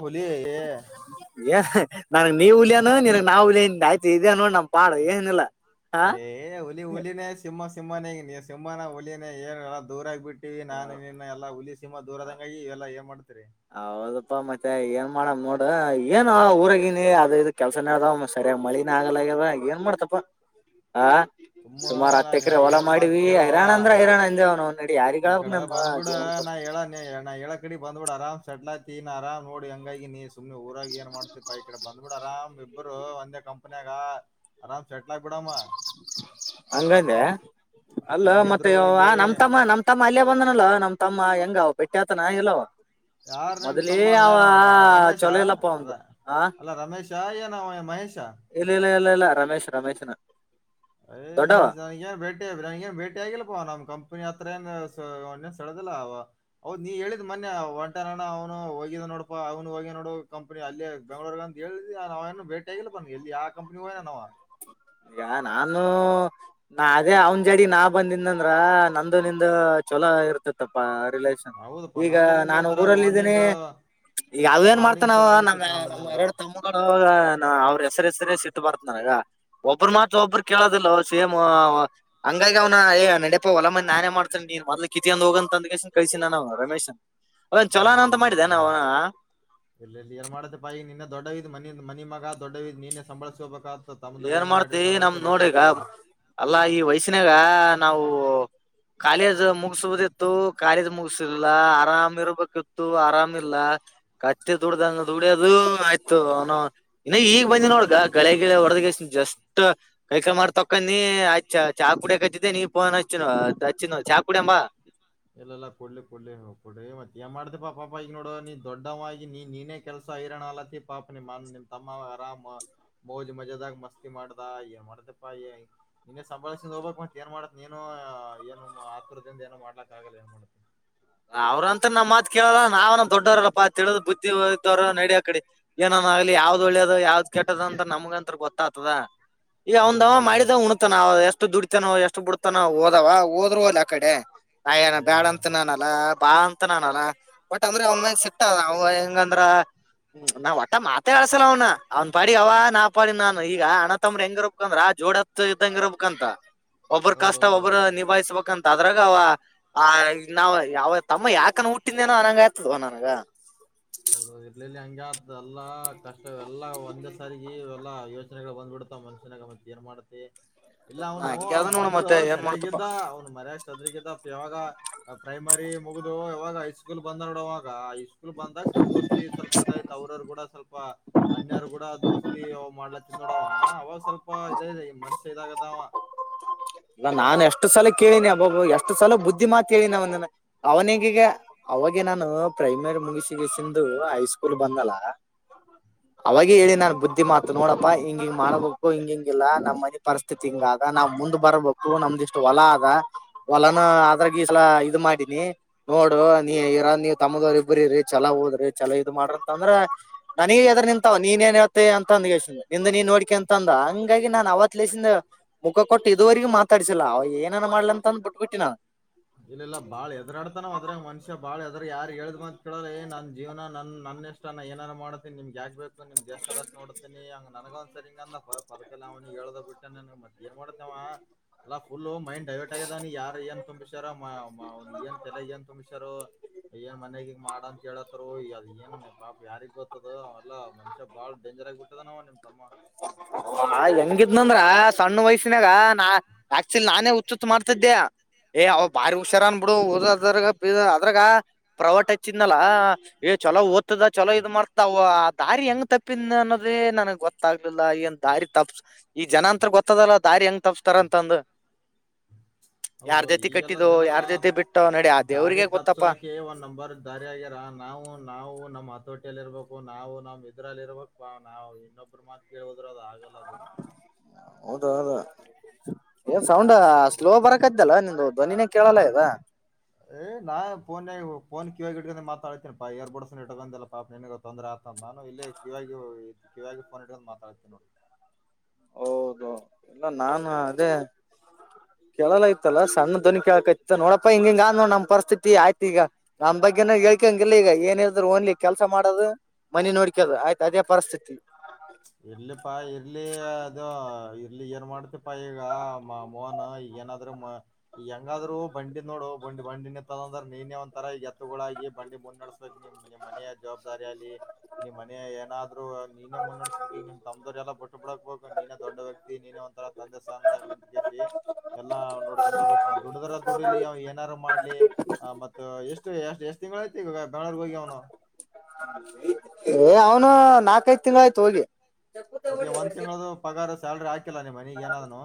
ಹುಲಿ ಏ. ಹೇ ನನಿಗೆ ನೀ ಹುಲಿಯನು ನಿನ್ಗ್ ನಾ ಹುಲಿಯನ್ ಆಯ್ತು ಇದೆ ನೋಡು ನಮ್ದು. ಏ. ಏ ಹುಲಿ ಹುಲಿನೇ ಸಿಂಹ ಸಿಂಹನೇ ನೀ ಸಿಂಮ್ಮಾನ ಹುಲಿನೇ ಏನ್ ದೂರ ಆಗಿಬಿಟ್ಟಿವಿ ನಾನು ಹೌ- ನೀನು. ಎಲ್ಲ ಹುಲಿ ಸಿಂಹ ದೂರದಂಗಾಗಿ ಇವೆಲ್ಲ ಏನ್ ಮಾಡ್ತರಿ. ಹೌದಪ್ಪಾ ಮತ್ತೆ ಏನ್ ಮಾಡ ನೋಡ ಏನ್ ಊರಾಗನಿ ಅದ ಇದು ಕೆಲ್ಸನೆ ಅದಾವ್ ಮಸ್ತು. ಸರಿಯಾಗಿ ಮಳಿನೆ ಆಗಲ್ಯಗದ ಏನ್ ಮಾಡ್ತಪ್ಪ ಹಾ. ಸುಮ್ಮ ಸುಮಾರು ಹತ್ತ ನಾನ್ ಎಕರೆ ಹೊಲ ಹೇಳದ್ ಮಾತ್ ಮಾಡಿವಿ ಕೇಳೋ ಹೈರಾಣ ಅಂದ್ರೆ ಹೈರಾಣ [unintelligible] ತಾಡಿ ಈ ಯಾರಿಯಾಗಬೇಕು ಕಡೆ ನಮ್ಮ ಬಂದ್ಬಿಡ ಜೀವನ್. ನಾ ಹೇಳ ನಾ ಹೇಳಾಕಡಿ ಬಂದುಬಿಡು ಆರಾಮ ಸೆಟ್ಲು ಅಯ್ತಿ ಆರಾಮ ನೋಡು ಹೆಂಗಾಗಿನಿ. ಸುಮ್ಮನೆ ಊರಗೆ ಏನ್ ಮಾಡ್ತತಿಪ್ಪ ಈಕಡೆ ಬಂದುಬಿಡು ಆರಾಮ್. ಇಬ್ರು ಒಂದೇ ಕಂಪನಿಯಾಗ ಆರಾಮ್ ಸೆಟ್ಲ್ ಆಗಿಬಿಡಮ್ಮ ಹಂಗ್ಯಾಲ್ಲ ಅಲ್ಲ ಮತ್ತೆ ಹೆಂಗಿದ್ರು ಯಾವ ಇಲ್ಲಿ ನಮ್ಮ ತಮ್ಮ ನಮ್ಮ. ತಮ್ಮ ಅಲ್ಲೇ ಬಂದನಲ್ಲ ನಮ್ ತಮ್ಮ ಹೆಂಗ ಭೇಟಿ ಆತನ ಇಲವೋ. ಯಾರ ನಿಮ್ಮ ತಮ್ಮ ಯಾರ ಅವ ರಮೇಶ. ಚಲೋ ಇಲ್ಲಪ್ಪ ಅವಂದು ಆ ಅಲ್ಲಾ ರಮೇಶ ಏನಾವ ಏನ್ ಮಹೇಶ. ಇಲ್ಲ ಇಲ್ಲ ಇಲ್ಲ ಇಲ್ಲ ರಮೇಶ್ ರಮೇಶ್. ಹೇ [unintelligible] ಏನ್ ಭೇಟಿ ಇದ್ರ ನಂಗೇನು ಭೇಟಿ ಆಗಿಲ್ಲಪ್ಪ ನಮ್ಮ ಕಂಪನಿ ಹತ್ರ ಏನ್ ಸೆಡದಿಲ್ಲ ಅವ. ಹೌದ ನೀ ಹೇಳಿದ್ ಮೊನ್ನೆ ಹೊಂಟೆನಣ್ಣ ಅವ್ನು ಹೋಗಿದ ನೋಡಪ್ಪ ಅವನು ಹೋಗಿ ನೋಡ ಕಂ. ಕಂಪಿ ಅಲ್ಲಿ ಬೆಂಗಳೂರ್ಗಂತ ಹೇಳಿದ ನಾವೇ ಏನು ಭೇಟ್ ಆಗಿಲ್ಲ ಪ್ಪ ಎಲ್ಲಿ ಯಾವ ಕಂಪನಿಗೆ ಹೋಗಿದಾನ ಅವ. ಈಗ ನಾನು. ನಾ ಅದೇ ಅವನ್ ಜಡಿನಾ ಬಂದಿದ್ದಂದ್ರ ನಂದು ನಿಂದು ಚಲೋ ಇರ್ತತ್ತಪ್ಪ ರಿಲೇಷನ್. ಹೌದಪ್ಪ ಈಗ ನಂದು ನಿಂದು ನಾನು ಒಂಥರ ಊರಲ್ಲ ಇದೀನಿ. ಬಾಂಡಿಂಗ್ ಅಲ್ಲಿ ಏನ್ ಮಾಡ್ತ ಬಾಂಡಿಂಗ್ ನಾವ ಚಲೋ ನಮ್ಮ್ ನಡೀತಿತ್ತು ನಂದು ನಮ್ಮ್ ನಿಂದು ಎರಡು ತಮ್ಮ. ಅವ್ರ ಹೆಸರ ಹೆಸರೇ ಎತ್ತಿದ್ರೆ ಸಿಟ್ಟ ಬರುತ್ತೆ ನನಗ. ಒಬ್ರು ಮಾತ್ರ ಒಬ್ರು ಕೇಳೋದಿಲ್ಲ ಸೇಮ್ ಹಂಗಾಗಿ ಅವ್ನ ನೆಡಿಯಪ್ಪ ಹೊಲ. ನಾನೇ ಮಾಡ್ತೇ ನೀನ್ ಮೊದಲು ಕಿತ್ತುಕೊಂಡು ಹೋಗು ಅಂತ ಕಳ್ಸಿನ ನಾನ ರಮೇಶ್. ಚಲೋನ್ ಅಂತ ಮಾಡಿದ್ದನೆವ ಇಲ್ಲೆಲ್ಲಿ ಏನ್ ಮಾಡತ್ತೆಪ್ಪ ಈಗ ನಿನ್ನ ದೊಡ್ಡವಿದ್ ಮನೆ ಮಗ ದೊಡ್ಡವಿದ ನೀನೇ ಸಂಬಳಿಸಕೋಬೇಕ. ತಮ್ಮಂದಿರು ಏನ್ ಮಾಡಿದ್ರು ಮಾಡ್ತಿ ನಮ್ ನೋಡ್ರಿಗ ಸಂಬಾಳಿಸಬೇಕಾತಾದ್ದ. ಅಲ್ಲಾ ಈ ವಯಸ್ಸಿನಾಗ ನಾವು. ಕಾಲೇಜ್ ಮುಗಿಸಬವುದಿತು ಕಾಲೇಜ್ ಮುಗಸಿಲ್ಲ ಆರಾಮ ಇರ್ಬೇಕಿತ್ತು ಆರಾಮಿಲ್ಲ. ಕತ್ತೆ ದುಡ್ದಂಗ ದುಡ್ಯೋದು ಆಯ್ತು ಅವನು ಇನ್ನ ಈಗ್ ಬಂದಿ ನೋಡ್ಗ ಗಳೆಗಿಳೆ. [unintelligible] ಜಾಸ್ಟ್ ಕೈ ಕಾಳ್ ತಕೊಂಡಿ ಚಾ ಕುಡಿಯ ಕಚ್ಚಿದ್ದೆ ನೀ ಪೋನ್ ಅಚ್ಚ್ ಹಾಚ್ಚಿನ ಚಾ ಕುಡಿಯನು ಬಾ ಇಲ್ಲೆಲ್ಲ ಕೊಡ್ಲಿ ಕೊಡ್ಲಿ ಹೋಗ ಕೊಡ್ರ ಮತ್ತ ಏನ್ ಮಾಡ್ದಪಾ ಪಾಪ ಈಗ ನೋಡುವ ನೀ ದೊಡ್ಡವವಾಗಿ ನೀ ನೀನೇ. ಕೆಲ್ಸ ಹೈರಾಣು ಅಲ್ಲತಿ ಪಾಪ ನಿಮ್ಮ ನಿಮ್ ತಮ್ಮ ಆರಾಮ್ ಮೋಜು ಮಜಾದಾಗ ಮಸ್ತಿ ಮಾಡದ ಏನ್ ಮಾಡದಿಪ್ಪ. ನೀನೆ ಸಾಂಬಾಲಿಸಿಕೊಂಡು ಹೋಗಬೇಕು ಮತ್ ಏನ್ ಮಾಡಾತ್ ನೀನು ಏನು ಆತ್ರರದಿಂದ ಏನು ಮಾಡ್ಲಕ್ ಆಗಲ್ಲ ಏನ್ ಮಾಡತಿ ಅವ್ರಂತ ನಮ್ಮ್ ಮಾತ್ ಕೇಳಲ್ಲ ನಾವನ ದೊಡ್ಡವ್ರಲ್ಲಪ್ಪಾ ತಿಳಿದ್ ಬುದ್ದಿ ಇದ್ದವ್ ನಡಿಯ ಕಡೆ. ಏನನ್ ಆಗ್ಲಿ ಯಾವ್ದ್ ಒಳ್ಳ್ಯದ ಯಾವ್ದ್ ಕೆಟ್ಟದ ಅಂತ ನಮಗ ಅಂತ್ರ ಗೊತ್ತಾತದ. ಈ ಅವಂದ ಅವ ಹೌದೌದೌದು ಮಾಡಿದ ಉಣ್. ನಾವವು ಎಷ್ಟು ದುಡತೇನೋ ಎಷ್ಟು ಬಿಡತಾನೋ ಓದವ ೋದ್ರು ಅಲ್ ಆ ಕಡೆ ನಏನ ಏ ಬ್ಯಾಡ ಇಲ್ಲ ಅಂತ ನ. ಅಲ್ಲ ಬಾ ಅಂತ ನಾನಲ್ಲ ಬಟ್ ಅಂದ್ರೆ ಅವ ಮ್ಯಾಗ ಸಿಕ್ತ ಅವ ಹೆಂಗಂದ್ರ. ಹ್ಮ್ ನಾವ್ ಒಟ್ಟ ಮಾತಾ ಆಡ್ಸಲ್ಲ ಅವನ. ಅವ್ನ್ ಪಾಡಿಗ್ ಅವ ನಾ ಪಾಡಿಗ್ ನಾನು ಈಗ ಅಣತಂಬ್ರ ಹೆಂಗ ರಬಕಂದ್ರ ಆ ಜೋಡೆತ್ತು ಇದ್ದಂಗ ರಬಕಂತ. ಒಬ್ಬ್ರ ಕಷ್ಟ ಒಬ್ಬ್ರ ಹೌದೌದೌದು ನಿಭಾಯಿಸ್ಬೇಕಂತ ಅದ್ರಾಗ ಅವ ಆ. ನಾವವು ಯಾವ ತಮ್ಮ ಯಾಕ ಹುಟ್ಟಿದೇನೋ ಅನಂಗ ಆಯತದವ ನನಗ. ಹೌದ್ ಇರ್ಲಿಲ್ಲಿ ಹಂಗ ಎಲ್ಲಾ ಕಷ್ಟ ಎಲ್ಲಾ ಒಂದೇ ಸಾರಿಗೆ ಎಲ್ಲಾ ಯೋಚನೆಗಳು ಬಂದ್ಬಿಡ್ತಾವ ಮನುಷ್ಯ. [unintelligible] ಏನ್ ಮಾಡುತ್ತೆ. ಹ. [unintelligible] ಇಲ್ಲ ಅವನು ಮೊದ್ಲು ಸರಿಯಾಗಿದ್ದ ಅವನು. ಮರ್ಯಕ್ ಸದ್ರಿಗೀತಾಪ್ ಇವಾಗ ಪ್ರೈಮರಿ ಮುಗ್ದ ಇವಾಗ ಹೈ ಸ್ಕೂಲ್ ಬಂದ ನೋಡ ಅವಾಗ ಸ್ಕೂ. ಸ್ಲ್ಪ ಬಂದಾಗ ಸ್ವಲ್ಪ ದೋಸ್ತಿ ಸ್ವಲ್ಪ ಇದಯ್ತ ಅವ್ರ್ ಅವ್ರು ಕೂಡ ಸ್ವಲ್ಪ. ಅನ್ಯಾರ್ ಕೂಡ ದೋಸ್ತಿ ಅವ್ ಮಾಡ್ಲಾ ತಿಿಂದ ನೋಡವ ಅವ ಸ್ವಲ್ಪ ಇದ ಇದೆ ಮನುಷ್ಯ ಇದಾಗದವ. [unintelligible] ಇಲ್ಲ ನಾನ್ ಎಷ್ಟು ಸಲ ಕೇಳಿನಿ ಅಬ್ಬಬ್ಬ ಎಷ್ಟು ಸಲ ಬುದ್ಧಿ ಮಾಾತ್ ಹೇಳಿನಿ ಅವನ ಅವನಿ ಗಿ ಗೆ. ಅವಾಗೆ ನಾನು ಪ್ರೈಮರಿ ಮುಗಿಸಿ ಸಿಂದು ಹೈ ಸ್ಕೂಲ್ ಬಂದ್ನಲ್ಲ. ಅವಾಗ ಹೇಳಿ ನಾನ್ ಬುದ್ಧಿ ಮಾತ ನೋಡಪ್ಪ ಹಿಂಗಿಂಗ ಮಾಡ್ಬೇಕು ಹಿಂಗ ಹಿಂಗಿಲ್ಲ ನಮ್ಮ್ನಿ ಪರಿಸ್ಥ. ತಿಂಗದ ನಾವ್ ಮುಂದ್ ಬರ್ಬೇಕು ನಮ್ದ ಇಷ್ಟು ಹೊಲ ಅದ. ಹೊಲನ ಅದ್ರಾಗ ಈಸಲ ಇದು ಮಾಡಿನಿ. ನೋಡು ನೀ ಇರ ನೀವ್ ತಮ್ಮದವ್ರ ಇಬ್ರ್ರರಿ ಚಲ ಹೋದ್ರಿ ಚಲೊ ಇದ ಮಾಡ್ರಿ ಅಂತ್ ಅಂದ್ರ. ನನಗೆ ಎದೂರು ನಿಂತಾವ ನೀನೇನ್ ಹೇಳ್ತಿ ಅಂತ ಅಂದ ನಿಂದ ನೀನ್ ನೋಡ್ಕ್ಯಾ ಅಂತ. ತಂದ ಹಂಗಾಗಿ ನಾನ್ ಅವತ್ತ್ಲಿಸಿಂದ ಮುಖ ಕೊಟ್ಟು ಇದುವರೆಗೂ ಮಾ. ತರಿಸಿಲ್ಲ ಅವ ಏನನ ಮಾಡಲಿ ಅಂದ್ ಬಿಟ್ಬಿಟ್ಟಿ ನಾ. ಇಲ್ಲ ಇಲ್ಲ ಬಾಳ ಹೆದರಾಡ್ತಾನ ಅವ ಅದ್ರೆ ಮನುಷ್ಯ ಬಾಳ ಎದ್ರ ಯಾರ ಹೇಳ್ದ್ ಮಾತ್ ಕೇಳಲ್ಲ ಏ ನನ್ ಜೀವನ ನನ್ ನನ್ನೆಷ್. ಎ ಏನ ಮಾಡ್ತನಿಮ್ಗೆ ಆಗ್ಬೇಕು ನಿಮ್ದಗೆ ಎಷ್ಟ ಆದಷ್ಟ ನೋಡ್ತಿನಿ. ನನಗ ಒಂದ್ಸರಿ ಇಂಗಂದ್ ನಪ್ಪ ಪದಕಲ್ಲ ಅವನಿಗೆ ಹೇಳ್ದ ಬಿಟ್ಟ ನ ಏನ್ ಮಾಡ್ತೇವ ಅಲ್ಲಾ ಫುಲ್ ಮೈಂಡ್. ಯವೇಟ್ ಆಗದಾನ ಯಾರ ಎಂತ್ ತು. ಇತರ ಮಾಮ್ ಮಾ ಅವ್ನ್ ತಲೆಗೇನ್ ತುಮಷಾರ ಏನ್ ಮನೆಗ ಇಂಗ್ ಮಾಡ ಅಂತ ಹೇಳ. ಏನ್ ನೆಪ ಪಾಪ ಯಾರಿಗೊತ್ತಾದ ಬತ್ತದ ಎಲ್ಲ ಮನುಷ್ಯ ಬಾಳ್ ಬೇಜರ್ ಆಗ್ ಬಿಟ್ಟದನಾವ ನಿಮ್ ತಮ್ಮ. ಹ ಹೆಂಗಿದ್ನಂದ್ರ. ಸಣ್ಣ ವಯಸ್ಸಿನಾಗ ನಾ ಆಕ್ಚುಲಿ ನಾನೇ ಉಚ್ಚುುತ್ತ ಮಾಡ್ತಿದ್ದೆ ಏ್ ಅವ್ ಬಾರಿ. ಹುಷಾರನ್ ಬಿಡು ಓದದ್ರ ಬ ಅದ್ರಾಗ ಪ್ರೈವಟ್ ಹಚ್ಚಿದನಲ್ಲ. ಏ ಚಲೋ ಓದ್ತದ ಚಲೋ ಇದ್ ಮಾಡ್ತಾವ ದಾರಿ ಹೆಂಗ್ ತಪ್ಪಿದ್ನ ಅನ್ನೋದು. ಅ್ರೆ ನನಗ್ ಗೊತ್ತಾಗ್ಲಿಲ್ಲ ಏನ್ ದಾರಿ ತಪ್ಸ. ಈ ಜನ ಅಂತ್ರ ಗೊತ್ತದಲ್ಲ ದಾರಿ ಹೆಂಗ್ ತಪಸ್ತರ ಅಂತಂದ. ಹೌದೌದು ಈಗೆಲ್ಲ ಜನ ಯಾರ್ ಜೊತೆ ಬಿಟ್ಟೋ ನಡಿ ಆ ದಾರಿ ದೇವ್ರಿಗೆ ಗೊತ್ತಪ್ಪಾ ತಪ್ಸಲಕೆ ಒಂದ್ ನಂಬರ್. ದಾರಿಿಯಗಿರ ನಾವು ನಾವು ನಮ್ಮ್ ಹತೋಟಿಯಲ್ಲಿ ಇರ್ಬೇಕು ನಾವು ನಮ್ಮ್ ಇದ್ರಲ್ಲಿ ಇರ್ಬೇಕು. ಾ ನಾವವು ಇನ್ನೊಬ್್ರ ಮಾತ್ ಕೇಳೋುದ್ರ ಅದು ಆಗಲ್ಲ. ಅದು ಹೌದಾ ಹೌದಾ. ಏನ್ ಸೌಂಡ್ ಸ್ಲೋ ಬರಕತ್ತಲ್ಲ ನಿಂದ ಧ್ವನಿನೇ ಕೇಳಲ್ಲ ಇದ. ಏ ನಾನ್ ಪೋನ್ಯಾಗ್ ಫೋನ್ ಕಿವೋಗಿ ಇಟ್ಕೊಂಡ ಮಾತಾಡ್ತೇಿ ಪಾ ಇಯರ್ ಬಡ್ಸ್ ಇಟ್ಟಕಂಡಿಲ್ಲ ಬಂದಲ್ಲ ಪಾಪನ್ತ್ತ. ತೊಂದರೆ ಆಗ್ತ ನಾನು ಇಲ್ಲಿ ಕಿವಿಯ ಕಿವಿಯ ಫೋನ್ ಇಡ್ಕೋನ್ಡ್ ಮಾತಾಡ್ತನಿ ನೋಡಿ. ಹೌದು ಇಲ್ಲ ನಾನ ಅದೇ ಕೇಳಲ್ಲ ಐತಲ್ಲ ಸಣ್ಣ ದ್ವನ ಕಳಕತ್ತ ನೋಡಪ್ಪ ಹಿಂಗ ಹಂಗ ಅದ ನೋ ನಮ್ ಪರಿಸ್ತಿತಿ ಆಯ್ತ ಈಗ ನಮ್ ಬಗ್ಗೆನ ಹೇಳ್ಕಯಂಗ ಇಲ್ಲ ಈಗ ಏನೆ ಇದ್ರೂ ಓನ್ಲಿ ಕೆಲ್ಸ ಮಾಡದು. ಮನಿ ನೋಡ್ಕದು ಆಯ್ತ ಅದೇ ಪರಿಸ್ಥಿತಿ. ಇರ್ಲಿಪಾ ಇರ್ಲಿ ಅದು ಇರ್ಲಿ ಏನ್ ಮಾಡ್ತಿ ಪ ಪ್ಪ ಈಗ ಮಾ ಮೊನ ಈಗಏನ ರಮ ಹೆಂಗಾದ್ರು ಬಂಡಿ ನೋಡು ಬಂಡಿ ಬಂಡಿ ನಿತ್ತದಂದ್ರ ನೀನೇ ಒಂದ ತರ ಈಗ ಎತ್ತ ತ್ತಗಳಾಗಿ ಬಂಡಿ ಮುಂದ ನಡ್ಸಬೇಕ ನೀ ನಿಮ್ಮ ಮನೆಯ ಜವಾಬ್ದಾರಿ ಆಲಿ ನಿಮ್ಮನೆಯ ಏನಾದ್ರು ನೀನೇ ಮುನ್ನಡಸ ತುದಿ ನಿನ್ ತಮದರ ಎಲ್ಲ ಬಿಟ್ಟ ಬಿಡಕ ಬೇಕು ನೀನೆ ದೊಡ್ಡ ವ್ಯಕ್ತಿ ನೀನ ಒಂಥರ ತಂದೆ ಸ್ಥಾನದ ನಿಂತಗೆಸಿ ಎಲ್ಲ ನೋಡ್ಕೊಂಡ ಹೋಗಬೇಕ ಅವ ದುಡ್ದರ ದುಡ್ಲಿ ಅವ್ ಏನಾರ ಮಾಡ್ಲಿ. ಹ ಮತ್ತ ಎಷ್ಟು ಎಷ್ಟ್ ತಿಂಗಳ ಐತಿ ಈಗ ಬೆಂಗಳೂರಿಗ ಹೋಗಿ ಅವನು. ಏ ಅವ್ನು ನಾಕೈದ ತಿಂಗಳ ಆಯ್ತ ಹೋಗಿ. ಮತ್ತೆ ಒಂದ ತಿಂಗಳದ ಪಗಾರ ಸ್ಯಾಲ್ರಿ ಹಾಕಿಲ್ಲ ನನಿಮ್ಮ ಮನಿಗಿ ಅವ್ನು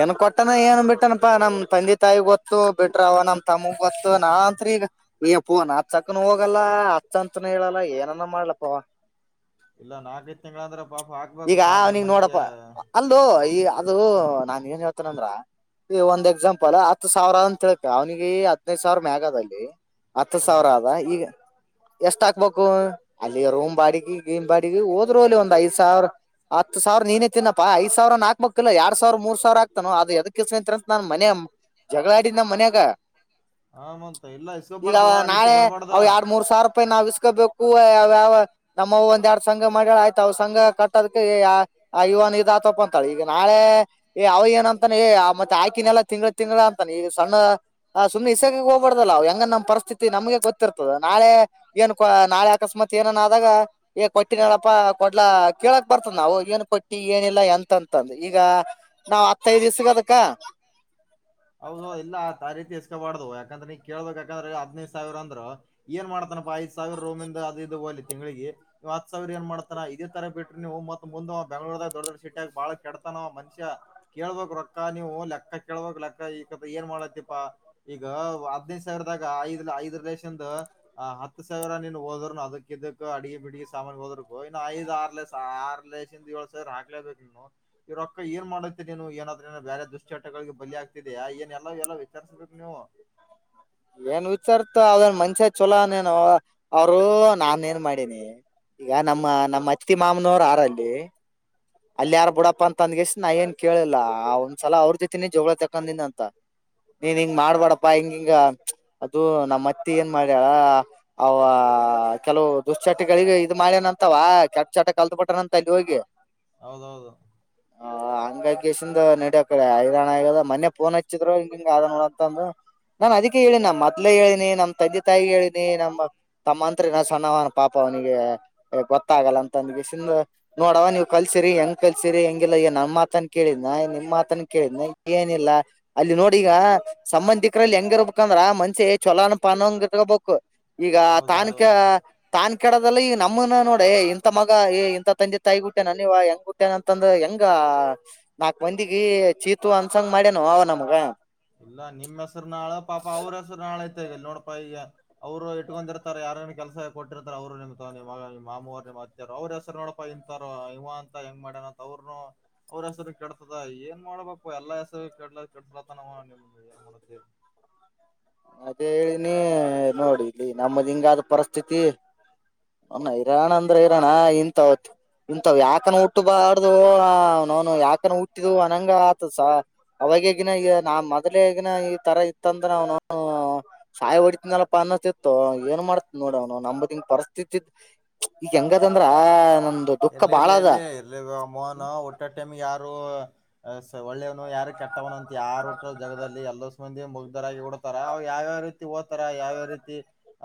ಏನ್ ಕೊಟ್ಟನ ಏನ ಬಿಟ್ಟನಪ್ಪಾ ನಮ್ಮ ತಂದಿ ತಾಯಿ ಗೊತ್ತು ಬಿಟ್ರ ಅವ ನಮ ತಮ್ಮಗ ಗೊತ್ತು ನಾ ಅಂತ್ರ ಈಗ ಯ್ಯಪ್ಪೂ ನಾ ಅಚ್ಚಕನು ಹೋಗಲ್ಲ ಅಚ್ಚ ಅಂತನು ಹೇಳಲ್ಲ ಏನನ ಮಾಡ್ಲಪ್ಪ ಅವ. ಇಲ್ಲ ನಾಲ್ಕೈದ ತಿಂಗಳಂದ್ರ ಪಾಪ ಹಾಕ್ಬೇಕು ಈಗ ಸ್ಯಾಲ್ರಿ ಅವ್ನಿಗ್ ಮನಿಗ. ನೋಡಪ್ಪ ಅಲ್ಲೋ ಈ ಅದು ನಾನ ಏನ ಹೇಳ್ತನಂದ್ರ ಈಗ ಒಂದ್ ಎಕ್ಸಾಂಪಲ್ ಹತ್ತು ಸಾವಿರ ಅಂತ ತಿಳ್ಕೊ ಅವನಿಗೆ ಈ ಹದನೈದ್ ಸಾವಿರ ಮ್ಯಾಗಾದಲ್ಲಿ ಹತ್ತ ಹಾ ಸಾವಿರ ಆದ ಈಗ ಎಷ್ಟ ಹಾಕ್ಬೇಕು ಅಲ್ಲಿ ರೂಮ ಬಾಡಿಗಿ ಗಿಮ್ ಬಾಡಿಗೆ ಹೋದರ್ ಹೋಲಿ ಒಂದ್ ಐದ್ ಸಾವಿರ. ಹತ್ತ ಸಾವಿರ ನೀನೇ ತಿನ್ನಪ್ಪ ಐದ ಸಾವಿರನ ಹಾಕ್ಬೇಕ ಇಲ್ಲ ಎರಡ ಸಾವಿರ ಮೂರ್ ಸಾವಿರ ಆಗ್ತಾನೋ ಅದ ಎದಕ್ಕ ಎದ್ಕ ಇಸ್ಕೊಂತೀರಿ ಅಂತ ನಾನ ಮನ್ಯಾಗ ಜಗಳಾ ಆಡಿನಾ ನಾ ಮನ್ಯಾಗ. ಹಾ ಮಂತ ಇಲ್ಲ ಈಗ ಇಸ್ಕೊಬಾರ್ದು ಆ ರೀತಿ ನಾಳೆ ಬಿಡ್ಬಾರ್ದ ಅವ ಎರಡ್ ಮೂರ್ ಸಾವರ ಪೇ ನಾವ್ ಇಸ್ಕೋಬೇಕು ಅವ ಯಾವ ನಮ್ಮ ಒಂದ ಎರಡ್ ಸಂಘ ಮಾಡ್ಯಾಳ ಆಯ್ತು ಅವ ಸಂಘ ಕ ಅದಕ್ಕ ಇವನ್ ಇದ ಆತವ ಪಾ ಅಂತಾಳ ಈಗ ನಾಳೆ ಏ ಅವ ಏನ ಅಂತಾನ ಏ ಮತ್ತೆ ಆಕಿನೆಲ್ಲ ತಿಂಗಳ ತಿಂಗಳ ಅಂತಾನ ಇ ಸಣ್ಣ ಹ ಸುಮ್ ಇಸಕ ಹೋಗ್ಬಾರ್ದಲ್ಲ ಹೆಂಗ ನಮ್ ಪರಿಸ್ಥಿತಿ ನಮ್ಗೆ ಗೊತ್ತಿರ್ತದ ನಾಳೆ. ಏನ್ ಕ ನಾಳೆ ಅಕಸ್ಮಾತ ಏನನ ಆದಾಗ ಏ ಕೊಟ್ಟಿನಲಪ್ಪಾ ಕೊಡ್ಲಾ. ಕೇಳಕ್ ಬರ್ತದ ನಾವ ಏನ್ ಕೊಟ್ಟಿ ಏನಿಲ್ಲ ಎಂತ ಅಂತ ಅಂದ ಈಗ ನಾವ್ ಹತ್ತೈದ ಇಸಗದಕ್ಕ ಹೌದು ಇಲ್ಲ ಆ ದಾರಿ ತಿಸ್ಕಬಾರ್ದ ಯಾಕಂದ್ರ ನೀ ಕೇಳ್ಬೇಕ ಯಾಕಂದ್ರ ಹದನೈದ ಸಾವಿರ ಅಂದ್ರ ಏನ್ ಮಾಡ್ತನಪ್ಪ ಐದ ಸಾವಿರ ರೂಮಿಂದ ಅದ ಇದ ಹೋಗ್ಲಿ ತಿಂಗಳಿಗ ಇವ ಹತ್ತ ಸಾವಿರ ಏನ್ ಮಾಡ್ತಾನ ಇದೇ ತರ ಬಿಟ್ರಿ ನೀವು ಮತ್ತ ಮುಂದ ಅವ ಬೆಂಗಳೂರ ದಾಗ ದೊಡ್ಡ ದೊಡ್ಡ ಶಿಟ್ಯಾಗ ಬಾಳ ಕೆಡತನವ ಮನುಷ್ಯ. ಕೇಳ್ಬಕ ರೊಕ್ಕ ನೀವು ಲೆಕ್ಕ ಕೇಳ್ಬಕ ಲೆಕ್ಕ ಈಟ್ಟ ಏನ್ ಮಾಡತ್ತಪಾ. ಈಗ ಹದ್ನೈದ ಸಾವಿರದಾಗ ಐದ್ಲ ಐದರ ದೇಸಲ್ಲಿಂದ ಹ ಹತ್ತ ಸಾವಿರ ನೀನ್ ಹೋದ್ರುನು ಅದಕ್ ಇದಕ್ ಅಡಿಗೆ ಬಿಡಗಿ ಸಾಮಾನು ಹೋದರು ಇನ್ನು ಐದ ಆರ ಲೆ ಆರಲೆಸ ಇಂದ ಏಳ ಸಾವರ ಆಗ್ಲೇಬೇಕು ನೀನು ಈ ರೊಕ್ಕ ಏನ ಮಾಡತ್ತೀ ನೀನ ಏನಾದ್ರ ಬೇರೆ ದುಷ್ಟ್ಚಾಟಗಳಿಗೆ ಬಲಿ ಆಗ ಇದಿಯಾ ಏನ್ ಎಲ್ಲಾ ಎಲ್ಲಾ ವಿಚಾರಸ ಬೇಕ ನೀವು. [inaudible] ಏನ್ ಹುಚ್ಚರತೊ ಅವ ಏನ್ ಮನಶಾ ಛಲೋ ಆನ್ ಏನ್ ಅವ ಅವರು ನಾನ ಏನ್ ಮಾಡಿನಿ. ಈಗ ನಮ್ಮ ನಮ್ಮ ಅತ್ತಿ ಮಾಮನರು ಆರಲ್ಲಿ ಅಲ್ಲಿ ಯಾರ ಬಿಡಪ್ಪಾ ಅಂತ ಅಂದಗೆಸ ನಾ ಏನ್ ಕೇಳಿಲ್ಲ ಆ ಒಂದ್ಸಲ ಅವ್ರ ಜತನಿ ಜಗಳ ತಕೊಂಡಿನಿ ಅಂತ. ನೀನ್ ಹಿಂಗ್ ಮಾಡ್ಬಾಡಪ್ಪಾ ಹಿಂಗ ಹಿಂಗ ಅದು ನಮ್ಮ ಅತ್ತಿ ಏನ್ ಮಾಡ್ಯಳ. ಅವ ಕೆಲವು ದುಶ್ಚಟಗಳಿಗ ಇದು ಮಾಡ್ಯನಂತವಾ ಕೆಟ್ಟ ಚಟ ಕಲ್ತಬಿಟ್ಟನಂತ ಅಲ್ಲಿ ಹೋಗಿ. ಹೌದೌದು ಹಾ ಹಂಗೆ ಕೇಸಿಂದ್ ನಡಿಯಕಡಿ ಐರಾಣ ಆಗದ ಮನ್ಯ ಫೋನ್ ಹಚ್ಚಿದ್ ಹಿಂಗ್ ಹಿಂಗ್ ಆದ ನೋಡ ಅಂತಂದು ನಾನ್ ಅದಕ್ಕೆ ಹೇಳಿನಾ ನಾ ಮದ್ಲೇ ಹೇಳಿನಿ ನಮ್ ತಂದೆ ತಾಯಿಗಿ ಹೇಳಿನಿ ನಮ್ಮ ಅಕ್ಕ್ ತಮ್ಮ ಅಂತ್ರು ಇನ ಸಣ್ಣವನ ಪಾಪ ಅವನಿಗೆ ಗೊತ್ತಾಗಲ್ಲ ಅಂತ ಬಿಸಿಲಿಗೆ ನೋಡವ ನೀವು ಕಲ್ಸಿರಿ ಹೆಂಗ್ ಕಲ್ಸಿರಿ ಹೆಂಗಿಲ್ಲ ಈ ನಮ್ಮ ಮಾತನ್ ಕೇಳಿದ್ನ ನಿಮ್ಮ ಮಾತನ್ ಕೇಳಿದ್ನ ಏನಿಲ್ಲಾ ಅಲ್ಲಿ ನೋಡಿ ಈಗ ಸಂಬಂಧಿಕರಲ್ಲಿ ಹೆಂಗಿ ಇರ್ಬೇಕಂದ್ರ ಮನಷ್ಯ ಛಳೋಣ ಪಾನಂಗ ಇಟ್ಕಬೇಕು. ಈಗ ತಾನಕಾ ಹೌದೌದೌದು ತಾನ್ ಕೆಡದಲ್ಲ ಈಗ ನಮ್ಮನ ನೋಡಿ ಇಂಥ ಮಗ ಇಂಥ ತಂದೆ ತಾಯಿಗೂ [unintelligible] ನೀವ್ ಹೆಂಗಹೂಟ್ಟ್ವವೊ ಅಂತಂದ್ರ ಹೆಂಗಾ ನಾಕ್ ಮಂದಿಗೆ ಛೀ, ತೂ ಅನ್ಸಂಗ ಮಾಡ್ಯನು ನಮ್ಮಗ. ಇಲ್ಲಾ ನಿಮ್ಮ್ ಹೆಸರು ನಾಳ ಪಾಪ ಅವ್ರ ಹೆಸರು ನಾಳ ಐತೆ ಈಗ ನೋಡಕೊ ಈಗ. ಅವ್ರು ಇಟ್ಕೊಂಡಿರ್ತಾರೆ ಯಾರೇನ ಕೆಲಸ ಕೊಟ್ಟಿರ್ತಾರೆ ಅವರು ನಿಮ್ ಮಾಮವ್ರು ನಿಮತ್ತ ಅವ್ರ ಹೆಸರು ನೋಡಪಾ ಇಂತಾರ ಇವ ಅಂತ ಹೆಂಗ ಮಾಡ್ಯನ ಅಂತ ಅವ್ರನು ಅವ್ರ ಹೆಸರು ಕೆಡತದ ಏನ್ ಮಾಡ್ಬೇಕು ಎಲ್ಲಾ ಹೆಸರು ಕೇಡ್ಲ ಕೆಡ್ಸ ಅಂತ ಏನ್ ನಿಮ್ದು ಎನ್ಮಾಡ್ತಿ. ಅದೇ ಹೇನೇ ನೋಡಿ ಇಲ್ಲಿ ನಮ್ಮದ್ ಹಿಂಗಾದ ಪರಿಸ್ಥಿತಿ. ನಮ್ಮ ಇರಾಣ ಅಂದ್ರೆ ಇರೋನ ಇಂತ ಅವತ್. ಇಂತವ್ ಯಾಕನ ಉಟ್ಟಬಾರ್ದು ಅವ್ನವ್ವ್ನ್ ಯಾಕನ ಹುಟ್ಟುದೂ ಅನಂಗ ಆಗ್ತಾದಸಾರ್. ಅವಾಗ ಈಗಿನ ಈ ನಾ ಮೊದ್ಲೆ ಈಗಿನ ಈ ತರ ಇತ್ತಂತ ಅವ್ನು ಹ ಸಾಯಿ ಹೊಡಿತನಲಪ್ಪಾ ಅನ್ನತಿತ್ತು ಏನ್ ಮಾಡ್ತ್ ನೋಡ್ ಅವ್ನವ್ನ ನಮದಿಂಗ್ ಪರಿಸ್ಥಿತಿ ಈಗ ಹೆಂಗದ ಅಂದ್ರಾ ನಮ್ದು. ಇರ್ಲಿ ಇರ್ಲಿ ಇರ್ಲಿ ಇರ್ಲಿ ಬ್ರೋ ಹುಟ್ಟೋ ಟೈಮ್ಗೆ ಯಾರೂ. ಹಾ ಸರ್ ಒಳ್ಳೇವ್ನು ಯಾರ ಕೆಟ್ಟವ್ನು ಅಂತ ಯಾರ ಹುಟ್ಟೊ ಜಗದಲ್ಲಿ ಎಲ್ಲೋ ಪಂದ್ಯ ಮುಗ್ದರಾಗಿ ಉಡ್ತಾರ ಯಾವ್ಯಾವ ರೀತಿ ಓತ್ತರ ಯಾವ್ಯಾವ ರೀತಿ.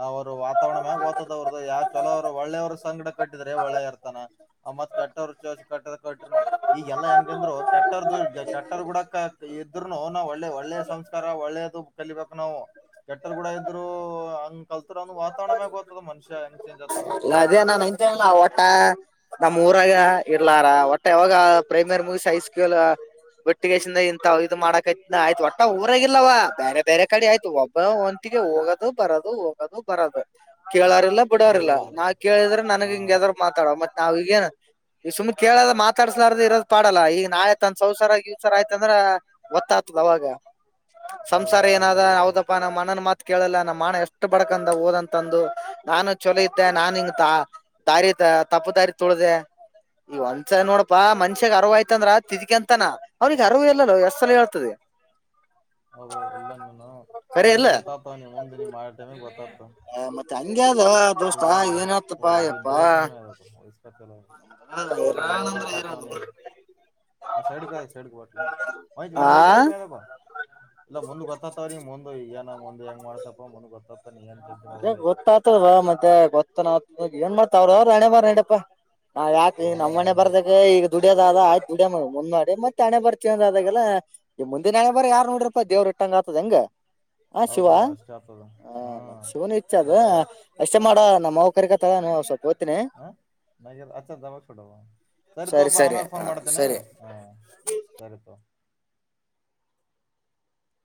ಅವರು ವಾತಾವರಣ ಓದೋದು ಯಾವ ಚಲೋರು ಒಳ್ಳೆಯವ್ರ ಸಂಗಡ ಕಟ್ಟಿದ್ರೆ ಒಳ್ಳೆ ಇರ್ತಾನ್. ಆಮ್ಮತ್ ಕೆಟ್ಟರು ಚೇಸ್ ಕಟ್ಟದ ಕಟ್ರನು. ಈಗೆಲ್ಲಾ ಹೆಂಗಂದ್ರು ಕೆಟ್ಟರ್ ಕೆಟ್ಟ ಗೂಡಕ ಇದ್ರುನು ನಾ ಒಳ್ಳೆ ಒಳ್ಳೆ ಸಂಸ್ಕಾರ ಒಳ್ಳೇದು. ಕಲಿಬೇಕು ನಾವು. ಕೆಟ್ಟರ್ ಕೂಡ ಇದ್ರು ಹಂಗ್ ಕಲ್ತರನ್ನೂ ವಾತಾವರಣ [unintelligible] ಮನುಷ್ಯ ಹೆಂಗ ಚೇಂಜ್ ಆಗ್ತದ ಅಲ್ಲ ಅದೇ ನಾ ಅಂತಿಲ್ಲ ಒಟ್ಟಾ ನಮ್ಮ್ ಊರಾಗ ಇರ್ಲಾರಾ - ಯಾವಾಗ ಪ್ರೈಮಿಯರ್ ಮೂಗ್ಸಿ ಹೈಸ್ಕೂಲ್ ಹಾ ಒಟ್ಟಿಗೆೇಶಿಂದ ಇಂತ ಇದು ಮಾಡಾಕ ಆಯಿತಾ ಆಯ್ತು ಒಟ್ಟ ಊರಾಗಿಲ್ಲವ ಬೇರೆ. ಬೇರೆ ಕಡೆ ಆಯ್ತು ಒಬ್ಬ ಒಂತಿಗೆ ಹೋಗದು ಬರೋದು ಹೋಗೋದು ಬರೋದು ಕೇಳರೆಲ್ಲ. ಬಿಡೋರಿಲ್ಲಾ ಹೌದೌದು ನಾ ಕೇಳಿದ್ರೆ ನನ್ಗೆ ಹ ಹಿಂಗ ಎದ್ರು ಮಾತಾಡ ಮತ್ತ್ ನಾವ್ ಈಗೇನ್. ಈ ಸುಮ್ ಕೇಳಿದ ಮಾತಾಡ್ಸಲಾರ್ದ ಇರೋದು ಪಾಡಲ್ಲ ಈಗ ನಾಯ್. ತನ್ ಸೌಸಾರ ಗಿನ್ಸರ್ ಆಯ್ತಾ ಅಂದ್ರ್ ಒತ್ತಾಯತು ಅವಾಗ. ಸಂಸಾರ ಹೌದೌದು ಎಲ್ಲ ಏನಾದ ಹೌದಪ್ಪ ನಮ್ಮ್ ಅಣ್ಣನ್ ಮಾತ್. ಕೇಳಲ್ಲ ನಮ್ಮ ಮಾನ ಎಷ್ಟು ಬಡಕಂಡ್ ಓದಂತಂದು ನಾನು ಚೊಲೋ. ನಾನ್ ಹಿಂಗ ತಾ ದಾರಿ ದ ತಪ್ಪು ದಾರಿ ತುಲ್ದೇ. ಈಗ ಒಂದ್ಸಲ ನೋಡಪ್ಪಾ ಮನಷ್ಯನ ಅರವ ಆಯ್ತಂದ್ರ ತಿಡ್ಕೊಂತನಾ ಅವ್ರುಗೆ ಅರವೇ ಇಲ್ಲಲ್ವೋ ಎಷ್ಟ್ ಸಲ ಹೇಳ್ತಾದೆ. ಹೌದು ಎಲ್ಲಂನ್ನುನ್ನು ಖರೆ ಒಂದ ಇಲ್ಲ ಗೊತ್ತಾತನ ನೀ ಮುಂದ ಮಾಡನ ಗೊತಾಗ್ತಾನ. ಹ ಮತ್ತೆ ಹಂಗದ ಅದ ದೋಸ್ತ ಏನತ್ತಪ್ಪಾ ಯಪ್ಪಾ. ವಯಸ್ಬತಾಲ್ ಇಲ್ಲೆಲ್ಲ ಮಂದು ಅಂದ್ರ ಗೊತ್ತಾತವನಿ. ಹೈರಾಣ ಅ ಸೈಡ್ ಗೆ ಬಾ ಸೈಡ್ ಗೆ ಆ ಬಾ [unintelligible] ಇಲ್ಲ ಮುಂದ್ ಗೊತ್ತತರೀ ಮುಂದ್ ಈಗ ನ ಮುಂದ್ ಹೆಂಗ ಮಾಡ್ತಪ್ಪ ಮುಂದ್ ಗೊತ್ತಾತ ನೀ ಎಂಥ ಎಂಥ ಮಾಡಬೋಡ ಈಗ. [unintelligible] ಮತ್ತೆ ಗೊತ್ತನ ಆತ್ತ ಏನ್ ಮಾಡ್ತ ಅವ್ರ ಅವರು ಹಣೆಬರಹ ನಡೆಪಾ. ಹ ಯಾಕ ಈ ಹಾ ನಮ್ಮ ಹಣೆ ಹಾ ಬರ್ದಗೆ ಈಗ ದುಡಿಯದ ಆದ ಆಯ್ತ್ ದುಡ್ಯಮ ಮುನ್ನೊಡಿ ಮತ್ ಹಣೆಬರ ಚೇಂಜ್ ಅದಾಗೆಲ್ಲಾ ಈ ಮುಂದಿನ ಹಣೆಬರ ಯಾರ್ ನೋಡಿರ್ಪ ದೇವ್ರ ಇಟ್ಟಂಗ ಆತದ ಹೆಂಗ ಹ ಶಿವ ಹೌದೌದು ಅಷ್ಟೇ ಆಗ್ತದ ಹ ಹಾ ಮ ಶಿವನು ಇಚ್ಛೆ ಅದ ಆಯ್ತಾಯ್ತು ಅಷ್ಟೆ ಮಾಡ ನಮ್ಮ ಅವ್ವ ಕರಿಗತಳ ಸ್ವಪ್ ಹೊತಿನಿ. [unintelligible] ಅಚ್ಚ ದ [unintelligible] ಸರಿ ತೋಪ ಆಮೇಲೆ ಫೋನ್ ಮಾಡ್ತೇನೆ. ಹ ಸರಿಪ.